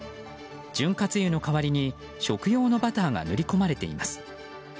潤滑油の代わりに食用のバターが塗り込まれています。